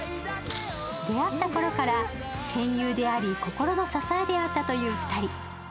出会った頃から戦友であり、心の支えであったという２人。